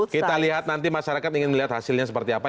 kita lihat nanti masyarakat ingin melihat hasilnya seperti apa